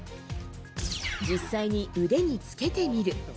実際に腕につけてみる。